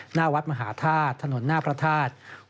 หน้าวัดมหาธาตุถนนหน้าพระธาตุ